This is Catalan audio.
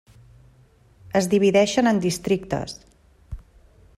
Es divideixen en districtes.